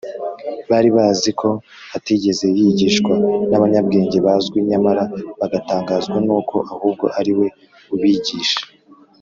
. Bari bazi ko atigeze yigishwa n’abanyabwenge bazwi, nyamara bagatangazwa n’uko ahubwo ari We ubigisha